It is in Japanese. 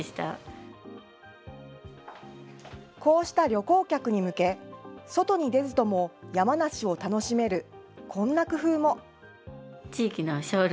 こうした旅行客に向け、外に出ずとも山梨を楽しめるこんな工夫も。